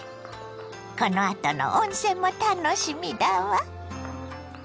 このあとの温泉も楽しみだわ。